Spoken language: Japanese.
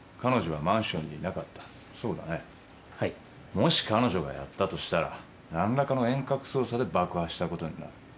もし彼女がやったとしたら何らかの遠隔操作で爆破したことになる。